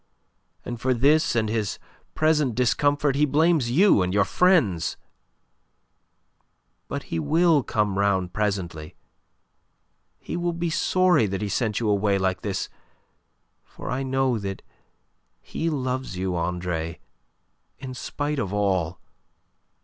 And for this and his present discomfort he blames you and your friends. But he will come round presently. He will be sorry that he sent you away like this for I know that he loves you, Andre, in spite of all.